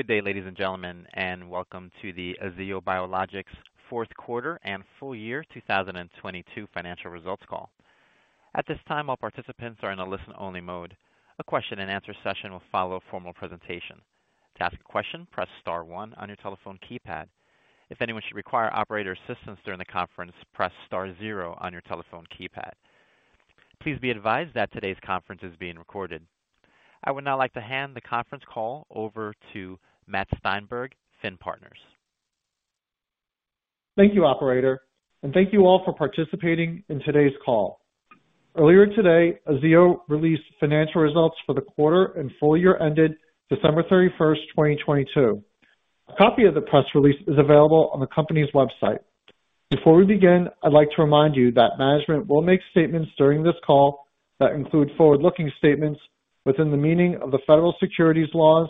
Good day, ladies and gentlemen, and welcome to the Aziyo Biologics Fourth Quarter and Full Year 2022 Financial Results Call. At this time, all participants are in a listen-only mode. A question and answer session will follow a formal presentation. To ask a question, press star one on your telephone keypad. If anyone should require operator assistance during the conference, press star zero on your telephone keypad. Please be advised that today's conference is being recorded. I would now like to hand the conference call over to Matt Steinberg, FINN Partners. Thank you, Operator. Thank you all for participating in today's call. Earlier today, Aziyo released financial results for the quarter and full year ended December 31st, 2022. A copy of the press release is available on the company's website. Before we begin, I'd like to remind you that management will make statements during this call that include forward-looking statements within the meaning of the federal securities laws,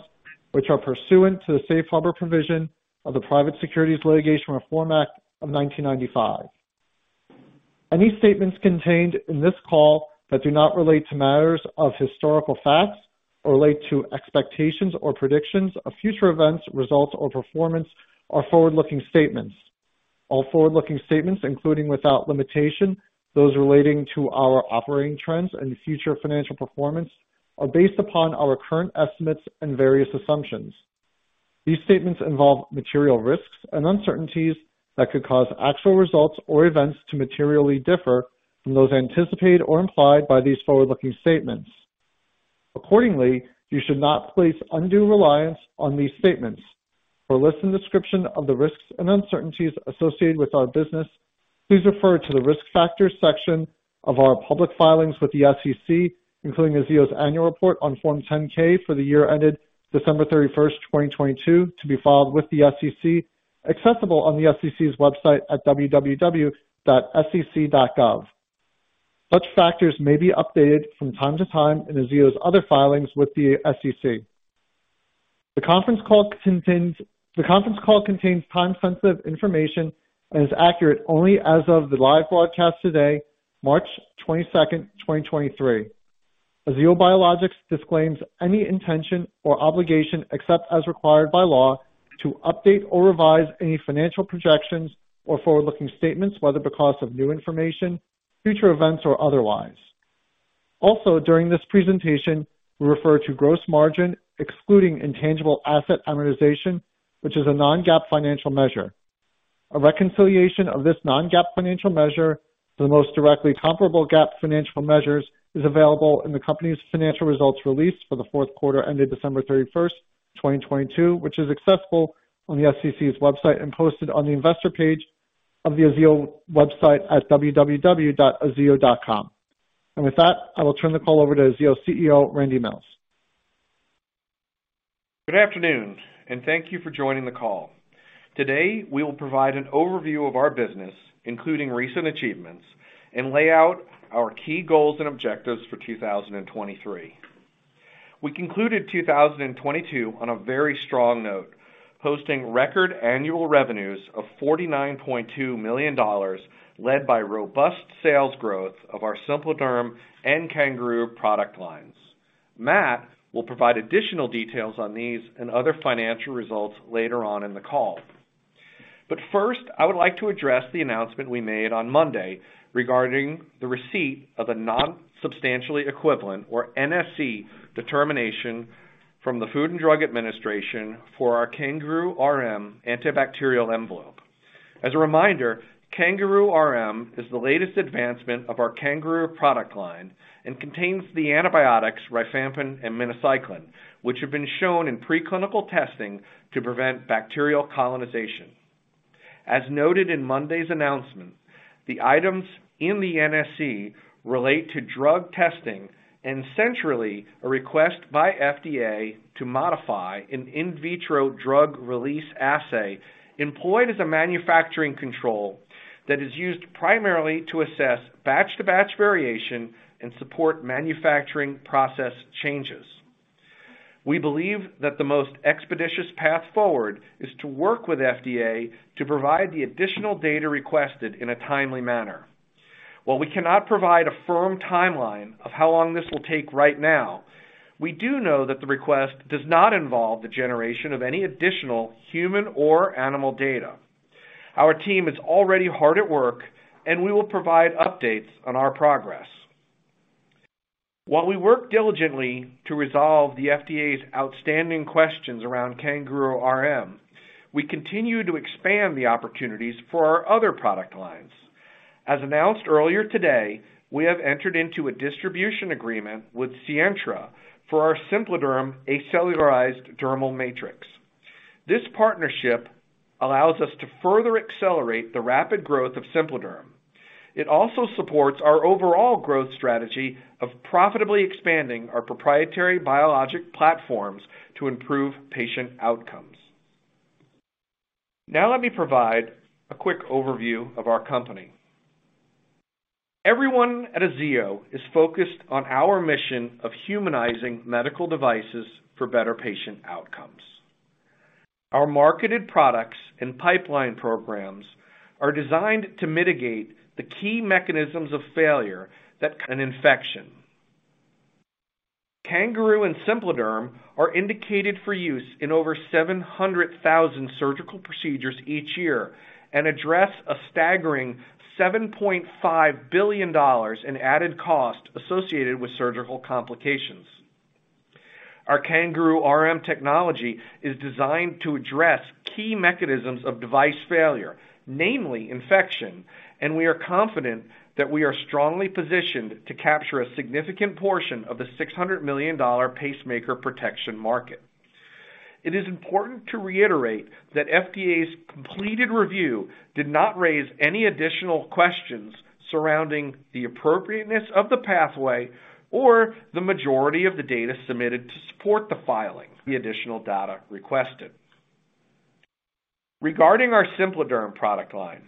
which are pursuant to the Safe Harbor provision of the Private Securities Litigation Reform Act of 1995. Any statements contained in this call that do not relate to matters of historical facts or relate to expectations or predictions of future events, results, or performance are forward-looking statements. All forward-looking statements, including without limitation those relating to our operating trends and future financial performance, are based upon our current estimates and various assumptions. These statements involve material risks and uncertainties that could cause actual results or events to materially differ from those anticipated or implied by these forward-looking statements. Accordingly, you should not place undue reliance on these statements. For a list and description of the risks and uncertainties associated with our business, please refer to the Risk Factors section of our public filings with the SEC, including Aziyo's Annual Report on Form 10-K for the year ended December 31st, 2022, to be filed with the SEC, accessible on the SEC's website at www.sec.gov. Such factors may be updated from time to time in Aziyo's other filings with the SEC. The conference call contains time-sensitive information and is accurate only as of the live broadcast today, March 22nd, 2023. Aziyo Biologics disclaims any intention or obligation, except as required by law, to update or revise any financial projections or forward-looking statements, whether because of new information, future events, or otherwise. During this presentation, we refer to gross margin excluding intangible asset amortization, which is a non-GAAP financial measure. A reconciliation of this non-GAAP financial measure to the most directly comparable GAAP financial measures is available in the company's financial results released for the fourth quarter ended December 31st, 2022, which is accessible on the SEC's website and posted on the Investor page of the Aziyo website at www.aziyo.com. With that, I will turn the call over to Aziyo CEO, Randy Mills. Good afternoon, thank you for joining the call. Today, we will provide an overview of our business, including recent achievements, and lay out our key goals and objectives for 2023. We concluded 2022 on a very strong note, posting record annual revenues of $49.2 million, led by robust sales growth of our SimpliDerm and CanGaroo product lines. Matt will provide additional details on these and other financial results later on in the call. First, I would like to address the announcement we made on Monday regarding the receipt of a non-substantially equivalent, or NSE, determination from the Food and Drug Administration for our CanGaroo RM antibacterial envelope. As a reminder, CanGaroo RM is the latest advancement of our CanGaroo product line and contains the antibiotics rifampin and minocycline, which have been shown in preclinical testing to prevent bacterial colonization. As noted in Monday's announcement, the items in the NSE relate to drug testing and centrally a request by FDA to modify an in vitro drug release assay employed as a manufacturing control that is used primarily to assess batch-to-batch variation and support manufacturing process changes. We believe that the most expeditious path forward is to work with FDA to provide the additional data requested in a timely manner. While we cannot provide a firm timeline of how long this will take right now, we do know that the request does not involve the generation of any additional human or animal data. Our team is already hard at work, and we will provide updates on our progress. While we work diligently to resolve the FDA's outstanding questions around CanGaroo RM, we continue to expand the opportunities for our other product lines. As announced earlier today, we have entered into a distribution agreement with Sientra for our SimpliDerm acellular dermal matrix. This partnership allows us to further accelerate the rapid growth of SimpliDerm. It also supports our overall growth strategy of profitably expanding our proprietary biologic platforms to improve patient outcomes. Let me provide a quick overview of our company. Everyone at Aziyo is focused on our mission of humanizing medical devices for better patient outcomes. Our marketed products and pipeline programs are designed to mitigate the key mechanisms of failure an infection. CanGaroo and SimpliDerm are indicated for use in over 700,000 surgical procedures each year and address a staggering $7.5 billion in added cost associated with surgical complications. Our CanGaroo RM technology is designed to address key mechanisms of device failure, namely infection, we are confident that we are strongly positioned to capture a significant portion of the $600 million pacemaker protection market. It is important to reiterate that FDA's completed review did not raise any additional questions surrounding the appropriateness of the pathway or the majority of the data submitted to support the filing the additional data requested. Regarding our SimpliDerm product line,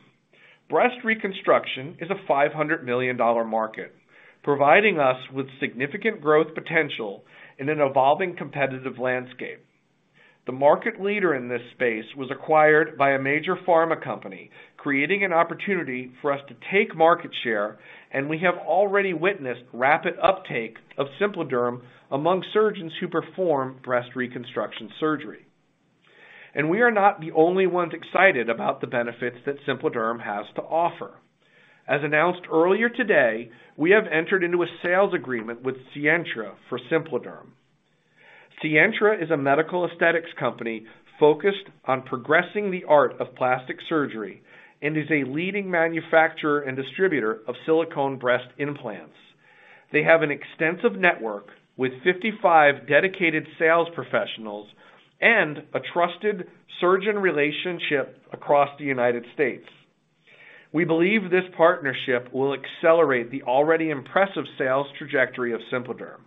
breast reconstruction is a $500 million market, providing us with significant growth potential in an evolving competitive landscape. The market leader in this space was acquired by a major pharma company, creating an opportunity for us to take market share, we have already witnessed rapid uptake of SimpliDerm among surgeons who perform breast reconstruction surgery. We are not the only ones excited about the benefits that SimpliDerm has to offer. As announced earlier today, we have entered into a sales agreement with Sientra for SimpliDerm. Sientra is a medical aesthetics company focused on progressing the art of plastic surgery and is a leading manufacturer and distributor of silicone breast implants. They have an extensive network with 55 dedicated sales professionals and a trusted surgeon relationship across the United States. We believe this partnership will accelerate the already impressive sales trajectory of SimpliDerm.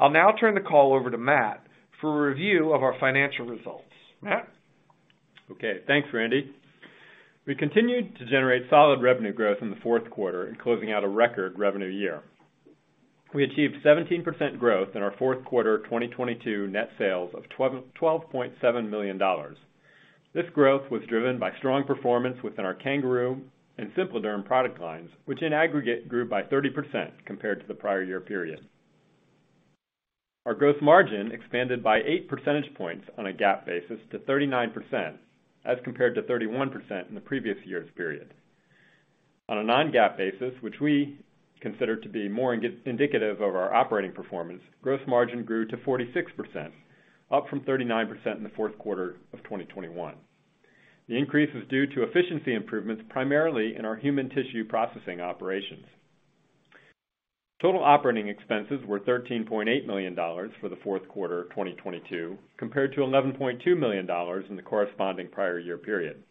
I'll now turn the call over to Matt for a review of our financial results. Matt? Okay. Thanks, Randy. We continued to generate solid revenue growth in the fourth quarter and closing out a record revenue year. We achieved 17% growth in our fourth quarter 2022 net sales of $12.7 million. This growth was driven by strong performance within our CanGaroo and SimpliDerm product lines, which in aggregate grew by 30% compared to the prior year period. Our growth margin expanded by 8 percentage points on a GAAP basis to 39% as compared to 31% in the previous year's period. On a non-GAAP basis, which we consider to be more indicative of our operating performance, gross margin grew to 46%, up from 39% in the fourth quarter of 2021. The increase was due to efficiency improvements, primarily in our human tissue processing operations. Total operating expenses were $13.8 million for the fourth quarter of 2022, compared to $11.2 million in the corresponding prior year period.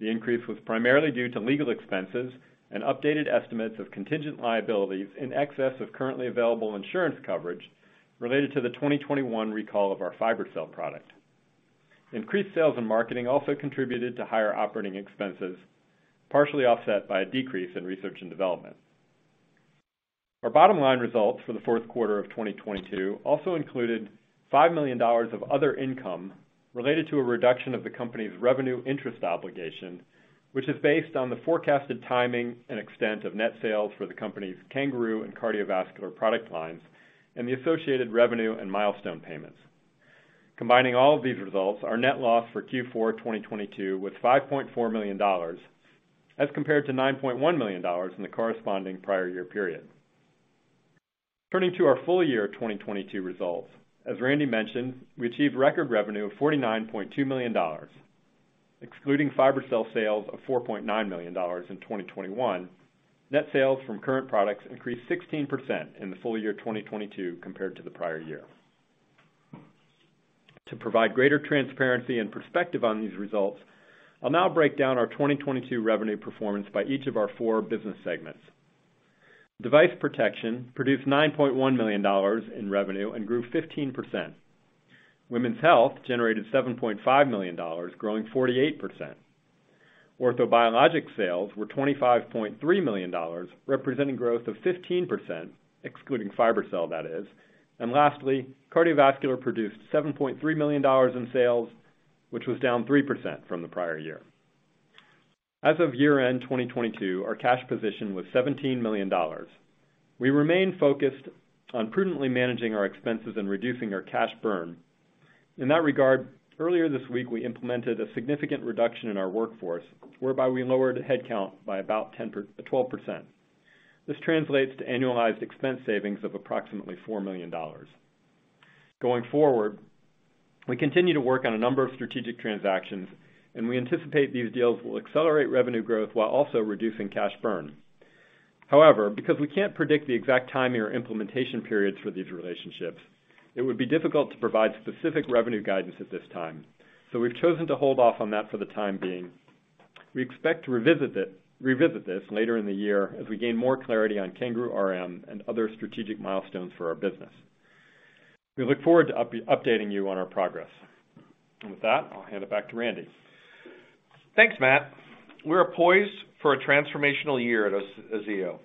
The increase was primarily due to legal expenses and updated estimates of contingent liabilities in excess of currently available insurance coverage related to the 2021 recall of our FiberCel product. Increased sales and marketing also contributed to higher operating expenses, partially offset by a decrease in research and development. Our bottom line results for the fourth quarter of 2022 also included $5 million of other income related to a reduction of the company's revenue interest obligation, which is based on the forecasted timing and extent of net sales for the company's CanGaroo and cardiovascular product lines and the associated revenue and milestone payments. Combining all of these results, our net loss for Q4 2022 was $5.4 million, as compared to $9.1 million in the corresponding prior year period. Turning to our full year 2022 results, as Randy mentioned, we achieved record revenue of $49.2 million. Excluding FiberCel sales of $4.9 million in 2021, net sales from current products increased 16% in the full year 2022 compared to the prior year. To provide greater transparency and perspective on these results, I'll now break down our 2022 revenue performance by each of our four business segments. Device protection produced $9.1 million in revenue and grew 15%. Women's health generated $7.5 million, growing 48%. Orthobiologic sales were $25.3 million, representing growth of 15%, excluding FiberCel, that is. Lastly, cardiovascular produced $7.3 million in sales, which was down 3% from the prior year. As of year-end 2022, our cash position was $17 million. We remain focused on prudently managing our expenses and reducing our cash burn. In that regard, earlier this week, we implemented a significant reduction in our workforce, whereby we lowered headcount by about 12%. This translates to annualized expense savings of approximately $4 million. Going forward, we continue to work on a number of strategic transactions, and we anticipate these deals will accelerate revenue growth while also reducing cash burn. However, because we can't predict the exact timing or implementation periods for these relationships, it would be difficult to provide specific revenue guidance at this time. We've chosen to hold off on that for the time being. We expect to revisit this later in the year as we gain more clarity on CanGaroo RM and other strategic milestones for our business. We look forward to updating you on our progress. With that, I'll hand it back to Randy. Thanks, Matt. We're poised for a transformational year at Aziyo.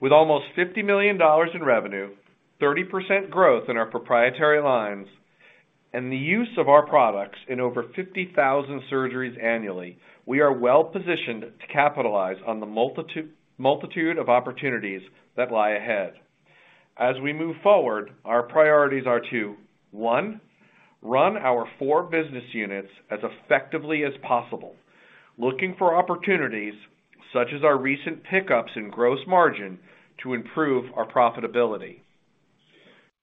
With almost $50 million in revenue, 30% growth in our proprietary lines and the use of our products in over 50,000 surgeries annually, we are well-positioned to capitalize on the multitude of opportunities that lie ahead. As we move forward, our priorities are to, one, run our four business units as effectively as possible, looking for opportunities such as our recent pickups in gross margin to improve our profitability.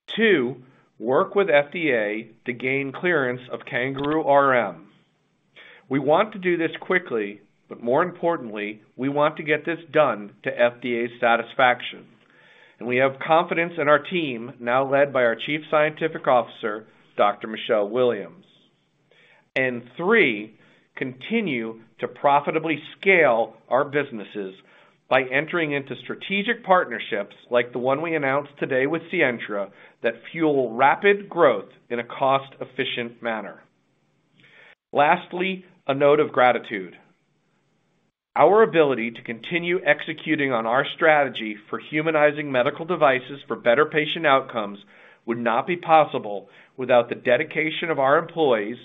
Two, work with FDA to gain clearance of CanGaroo RM. We want to do this quickly, but more importantly, we want to get this done to FDA's satisfaction. We have confidence in our team, now led by our Chief Scientific Officer, Dr. Michelle Williams. Three, continue to profitably scale our businesses by entering into strategic partnerships like the one we announced today with Sientra that fuel rapid growth in a cost-efficient manner. Lastly, a note of gratitude. Our ability to continue executing on our strategy for humanizing medical devices for better patient outcomes would not be possible without the dedication of our employees,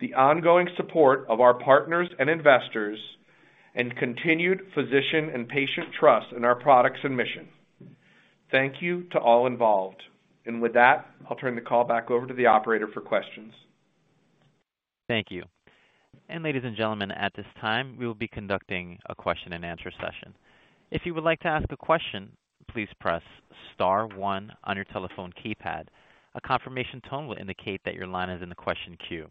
the ongoing support of our partners and investors, and continued physician and patient trust in our products and mission. Thank you to all involved. With that, I'll turn the call back over to the operator for questions. Thank you. Ladies and gentlemen, at this time, we will be conducting a question-and-answer session. If you would like to ask a question, please press star one on your telephone keypad. A confirmation tone will indicate that your line is in the question queue.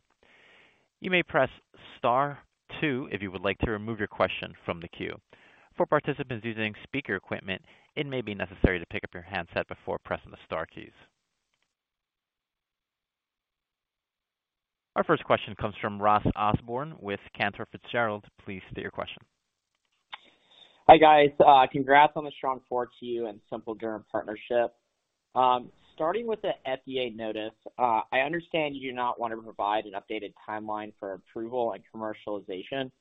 You may press star two if you would like to remove your question from the queue. For participants using speaker equipment, it may be necessary to pick up your handset before pressing the star keys. Our first question comes from Ross Osborn with Cantor Fitzgerald. Please state your question. Hi, guys. congrats on the strong 4Q and SimpliDerm partnership. Starting with the FDA notice, I understand you do not want to provide an updated timeline for approval and commercialization.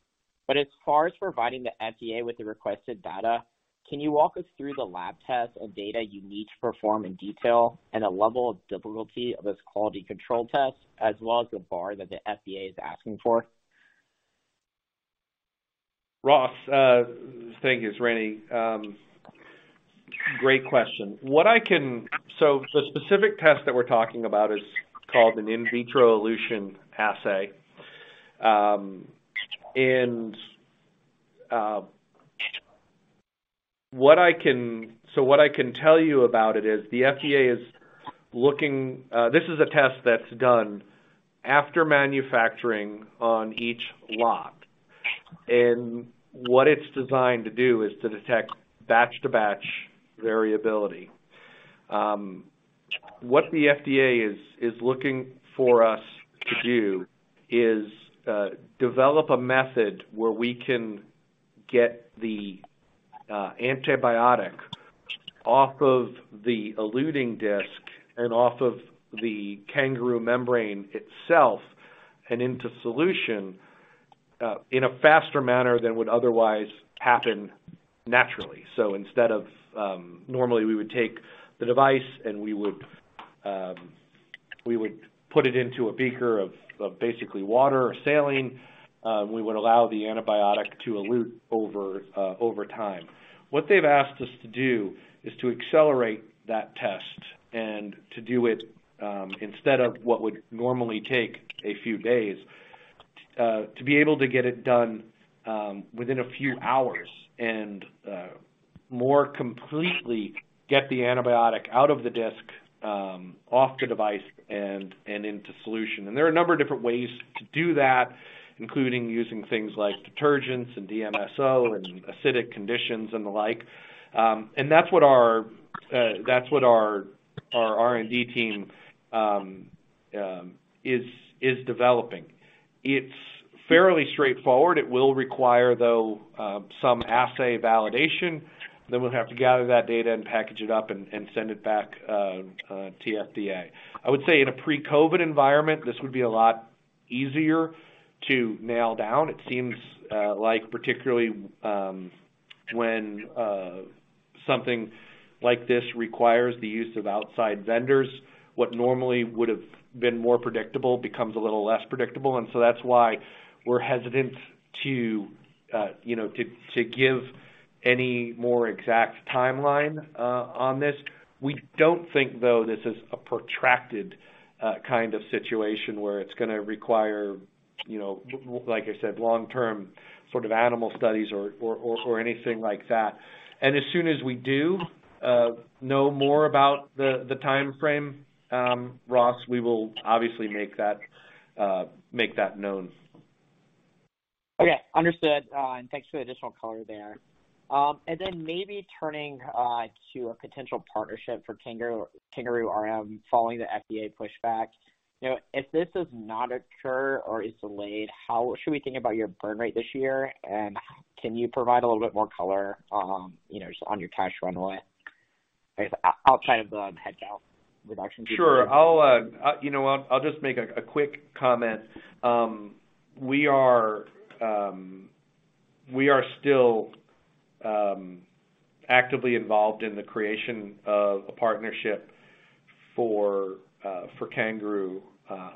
As far as providing the FDA with the requested data, can you walk us through the lab tests and data you need to perform in detail and the level of difficulty of this quality control test, as well as the bar that the FDA is asking for? Ross, this thing is rainy. Great question. The specific test that we're talking about is called an in vitro elution assay. And what I can tell you about it is the FDA is looking. This is a test that's done after manufacturing on each lot. What it's designed to do is to detect batch to batch variability. What the FDA is looking for us to do is develop a method where we can get the antibiotic off of the eluting disk and off of the CanGaroo membrane itself and into solution in a faster manner than would otherwise happen naturally. Instead of normally we would take the device, and we would put it into a beaker of basically water or saline. We would allow the antibiotic to elute over time. What they've asked us to do is to accelerate that test and to do it, instead of what would normally take a few days, to be able to get it done, within a few hours and, more completely get the antibiotic out of the disk, off the device and into solution. There are a number of different ways to do that, including using things like detergents and DMSO and acidic conditions and the like. That's what our R&D team is developing. It's fairly straightforward. It will require, though, some assay validation. We'll have to gather that data and package it up and send it back to FDA. I would say in a pre-COVID environment, this would be a lot easier to nail down. It seems like particularly when something like this requires the use of outside vendors, what normally would have been more predictable becomes a little less predictable. That's why we're hesitant to, you know, to give any more exact timeline on this. We don't think, though, this is a protracted kind of situation where it's gonna require, you know, like I said, long-term sort of animal studies or anything like that. As soon as we do know more about the timeframe, Ross, we will obviously make that known. Okay. Understood. Thanks for the additional color there. Maybe turning to a potential partnership for CanGaroo RM following the FDA pushback. You know, if this does not occur or is delayed, how should we think about your burn rate this year? Can you provide a little bit more color, you know, just on your cash runway, I guess, outside of the headcount reduction piece? Sure. I'll, you know what? I'll just make a quick comment. We are still actively involved in the creation of a partnership for CanGaroo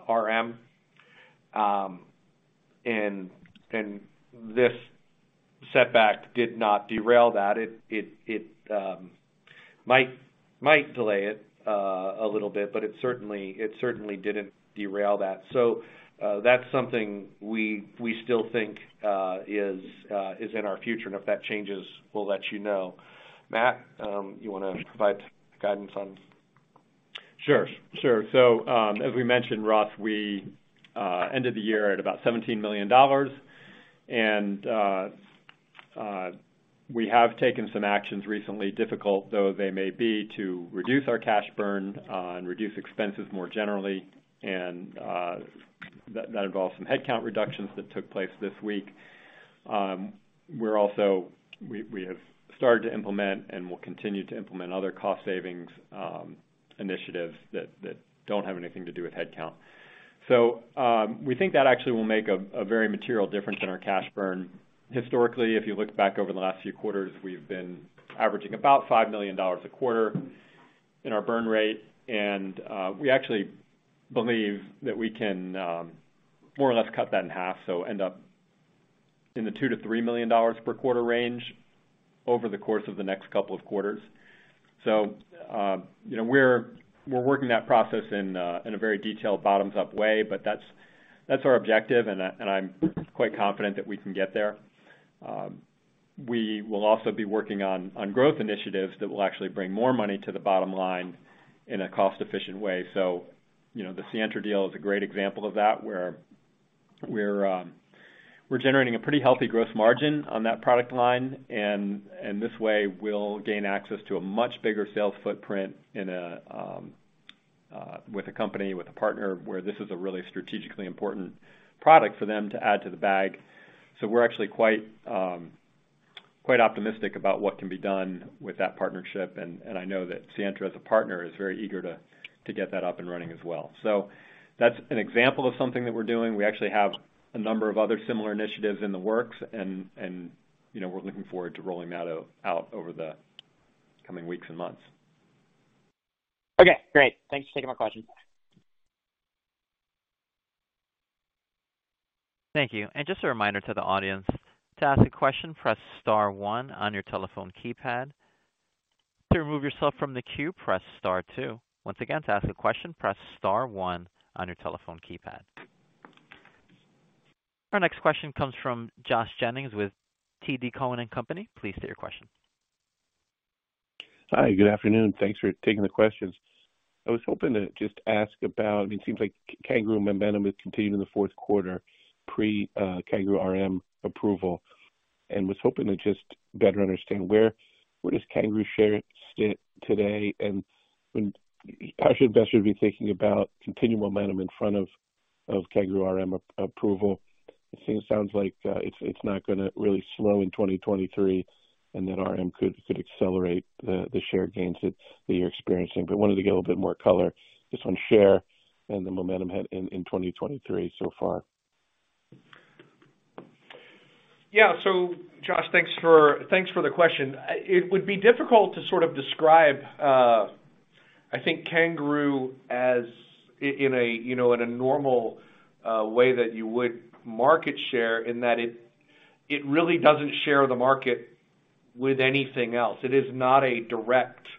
RM. This setback did not derail that. It might delay it a little bit, but it certainly didn't derail that. That's something we still think is in our future. If that changes, we'll let you know. Matt, you wanna provide guidance on... Sure. Sure. As we mentioned, Ross, we ended the year at about $17 million. We have taken some actions recently, difficult though they may be, to reduce our cash burn, and reduce expenses more generally. That involves some headcount reductions that took place this week. We have started to implement and will continue to implement other cost savings, initiatives that don't have anything to do with headcount. We think that actually will make a very material difference in our cash burn. Historically, if you look back over the last few quarters, we've been averaging about $5 million a quarter in our burn rate. We actually believe that we can more or less cut that in half, end up in the $2 million-$3 million per quarter range over the course of the next couple of quarters. You know, we're working that process in a very detailed bottoms-up way, but that's our objective and I'm quite confident that we can get there. We will also be working on growth initiatives that will actually bring more money to the bottom line in a cost-efficient way. You know, the Sientra deal is a great example of that, where we're generating a pretty healthy gross margin on that product line. This way, we'll gain access to a much bigger sales footprint in a with a company, with a partner where this is a really strategically important product for them to add to the bag. We're actually quite optimistic about what can be done with that partnership. I know that Sientra as a partner is very eager to get that up and running as well. That's an example of something that we're doing. We actually have a number of other similar initiatives in the works and, you know, we're looking forward to rolling that out over the coming weeks and months. Okay, great. Thanks for taking my question. Thank you. Just a reminder to the audience, to ask a question, press star one on your telephone keypad. To remove yourself from the queue, press star two. Once again, to ask a question, press star one on your telephone keypad. Our next question comes from Josh Jennings with TD Cowen and Company. Please state your question. Hi, good afternoon. Thanks for taking the questions. I was hoping to just It seems like CanGaroo momentum has continued in the fourth quarter pre CanGaroo RM approval, was hoping to just better understand where does CanGaroo shares sit today, how should investors be thinking about continual momentum in front of CanGaroo RM approval? it's not gonna really slow in 2023, RM could accelerate the share gains that you're experiencing. wanted to get a little bit more color just on share and the momentum had in 2023 so far. Josh, thanks for the question. It would be difficult to sort of describe, I think CanGaroo as in a, you know, in a normal way that you would market share in that it really doesn't share the market with anything else. It is not a direct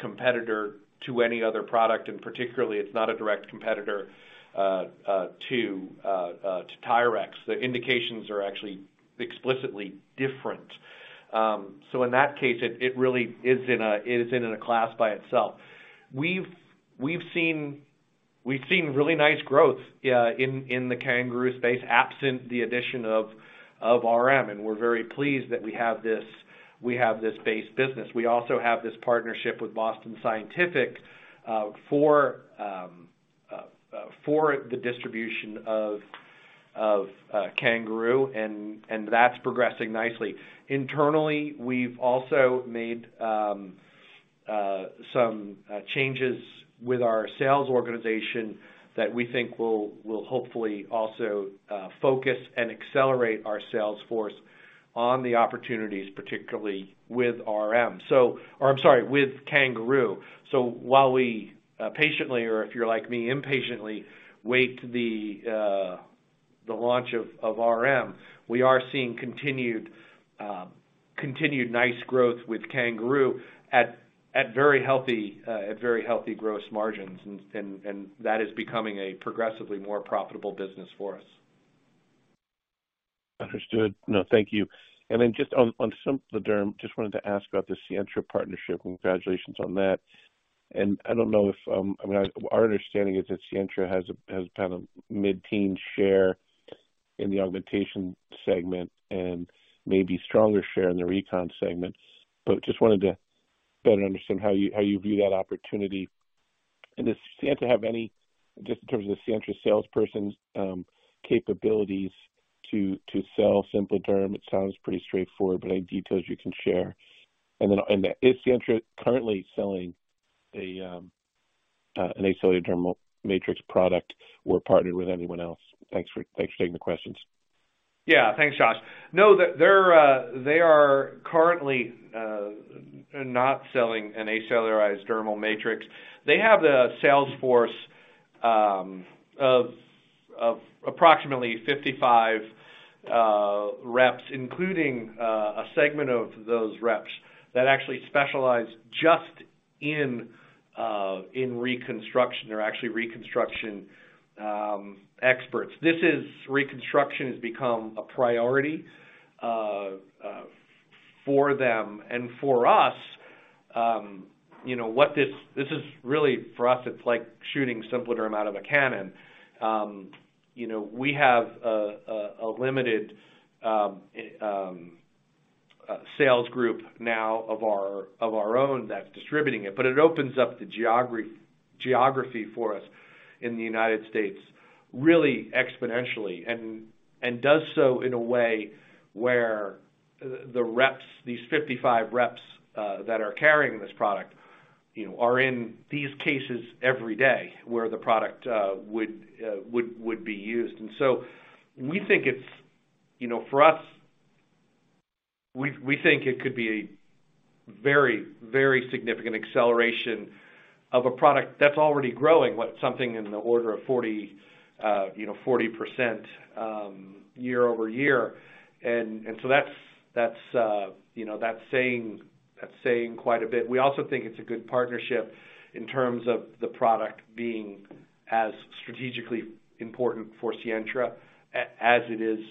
competitor to any other product. Particularly it's not a direct competitor to TYRX. The indications are actually explicitly different. In that case, it really is in a class by itself. We've seen really nice growth, yeah, in the CanGaroo space absent the addition of RM. We're very pleased that we have this base business. We also have this partnership with Boston Scientific, for the distribution of CanGaroo, and that's progressing nicely. Internally, we've also made some changes with our sales organization that we think will hopefully also focus and accelerate our sales force on the opportunities, particularly with RM. Or I'm sorry, with CanGaroo. While we patiently or if you're like me, impatiently wait the launch of RM, we are seeing continued nice growth with CanGaroo at very healthy gross margins. That is becoming a progressively more profitable business for us. Understood. No, thank you. Just on SimpliDerm, just wanted to ask about the Sientra partnership. Congratulations on that. I mean, our understanding is that Sientra has kind of mid-teen share in the augmentation segment and maybe stronger share in the recon segment. Just wanted to better understand how you view that opportunity. Does Sientra have any, just in terms of the Sientra salesperson's capabilities to sell SimpliDerm? It sounds pretty straightforward, but any details you can share. Is Sientra currently selling a, an acellular dermal matrix product or partner with anyone else? Thanks for taking the questions. Yeah. Thanks, Josh. No, they're currently not selling an acellular dermal matrix. They have the sales force of approximately 55 reps, including a segment of those reps that actually specialize just in reconstruction. They're actually reconstruction experts. Reconstruction has become a priority for them and for us. You know what this is really for us, it's like shooting SimpliDerm out of a cannon. You know, we have a limited sales group now of our own that's distributing it, but it opens up the geography for us in the United States really exponentially and does so in a way where the reps, these 55 reps, that are carrying this product, you know, are in these cases every day where the product would be used. We think it's. You know, for us, we think it could be a very, very significant acceleration of a product that's already growing, what something in the order of 40, you know, 40% year-over-year. That's, you know, that's saying quite a bit. We also think it's a good partnership in terms of the product being as strategically important for Sientra as it is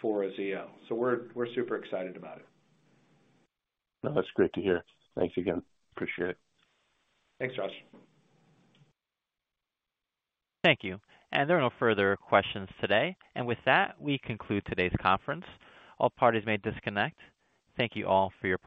for Aziyo. We're super excited about it. No, that's great to hear. Thanks again. Appreciate it. Thanks, Josh. Thank you. There are no further questions today. With that, we conclude today's conference. All parties may disconnect. Thank you all for your participation.